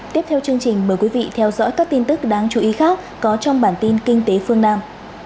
tiếp theo chương trình mời quý vị theo dõi các tin tức đáng chú ý khác có trong bản tin kinh tế phương nam